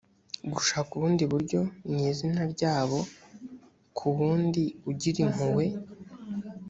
gushaka ubundi buryo mw’ izina ryabo ku w’ undi ugira impuhwe